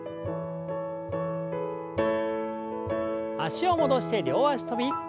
脚を戻して両脚跳び。